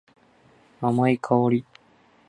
甘い香り。